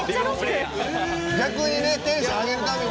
逆にテンション上げるために。